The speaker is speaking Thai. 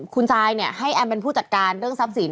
คุณซายให้แอมเป็นผู้จัดการเรื่องทรัพย์สิน